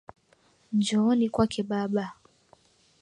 Njooni kwake Baba.